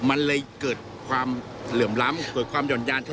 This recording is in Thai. มันเลยเกิดความเหลื่อมล้ำเกิดความหย่อนยานเธอ